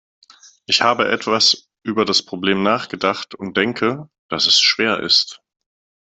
Ich habe etwas über das Problem nachgedacht und denke, dass es schwer ist.